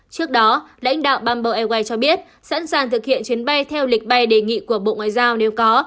trước đó lãnh đạo bamboo airways cho biết sẵn sàng thực hiện chuyến bay theo lịch bay đề nghị của bộ ngoại giao nếu có